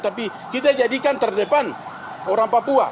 tapi kita jadikan terdepan orang papua